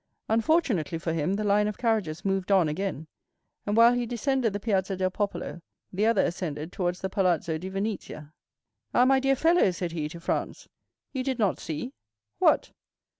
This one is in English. Unfortunately for him, the line of carriages moved on again, and while he descended the Piazza del Popolo, the other ascended towards the Palazzo di Venezia. "Ah, my dear fellow," said he to Franz; "you did not see?" "What?"